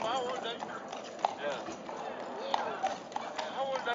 uhuru wa vyombo vya habari huku tume ya kusimamia mawasiliano nchini humo